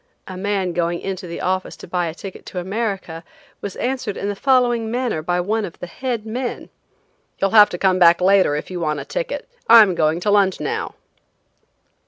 A man going into the office to buy a ticket to America, was answered in the following manner by one of the head men: "You'll have to come back later if you want a ticket. I'm going to lunch now."